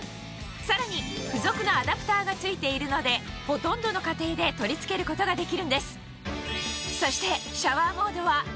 さらに付属のアダプターが付いているのでほとんどの家庭で取り付けることができるんですそして